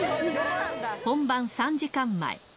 本番３時間前。